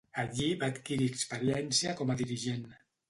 Allí va adquirir experiència com a dirigent.